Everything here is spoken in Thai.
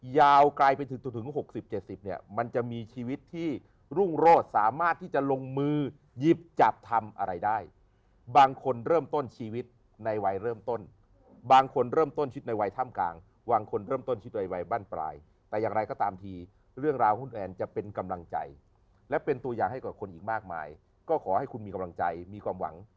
ยาวไกลไปถึงตัวถึง๖๐๗๐เนี่ยมันจะมีชีวิตที่รุ่งโรศสามารถที่จะลงมือหยิบจับทำอะไรได้บางคนเริ่มต้นชีวิตในวัยเริ่มต้นบางคนเริ่มต้นชีวิตในวัยถ้ำกลางบางคนเริ่มต้นชีวิตโดยวัยบ้านปลายแต่อย่างไรก็ตามทีเรื่องราวหุ้นแอนจะเป็นกำลังใจและเป็นตัวอย่างให้กับคนอีกมากมายก็ขอให้คุณมีกำลังใจมีความหวัง